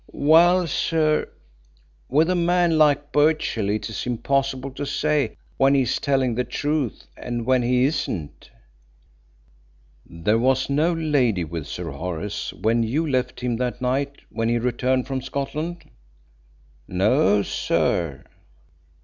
"Well, sir, with a man like Birchill it is impossible to say when he is telling the truth, and when he isn't." "There was no lady with Sir Horace when you left him that night when he returned from Scotland?" "No, sir."